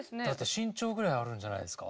身長ぐらいあるんじゃないですか？